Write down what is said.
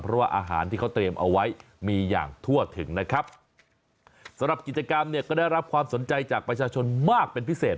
เพราะว่าอาหารที่เขาเตรียมเอาไว้มีอย่างทั่วถึงนะครับสำหรับกิจกรรมเนี่ยก็ได้รับความสนใจจากประชาชนมากเป็นพิเศษ